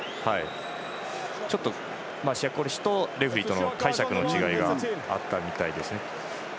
ちょっとシヤ・コリシとレフリーとの解釈の違いがあったみたいですね。